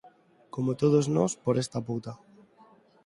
como todos nós, por esta puta